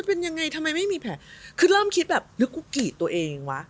แล้วปีนยังไงทำไมไม่มีแผลก็ล่ามคิดแบบหรือกูกลีตัวเองวะ